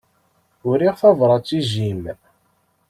Uriɣ tabrat i Jim.